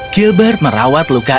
gilbert merawat luka luka